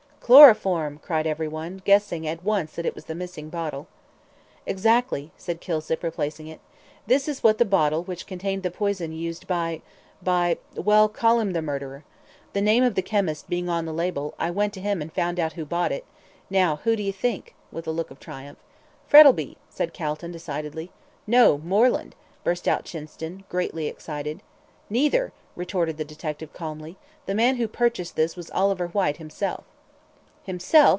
"Chloroform," cried everyone, guessing at once that it was the missing bottle. "Exactly," said Kilsip, replacing it. "This was the bottle which contained the poison used by by well, call him the murderer. The name of the chemist being on the label, I went to him and found out who bought it. Now, who do you think?" with a look of triumph. "Frettlby," said Calton, decidedly. "No, Moreland," burst out Chinston, greatly excited. "Neither," retorted the detective, calmly. "The man who purchased this was Oliver Whyte himself." "Himself?"